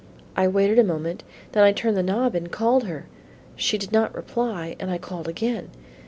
I waited a moment, then I turned the knob and called her: she did not reply and I called again.